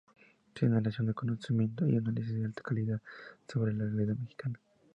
Generación de conocimiento y análisis de alta calidad sobre la realidad mexicana.